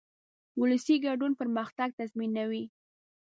ولسي ګډون پرمختګ تضمینوي.